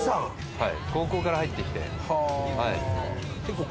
はい。